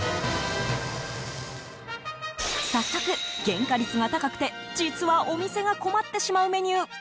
早速、原価率が高くて実はお店が困ってしまうメニュー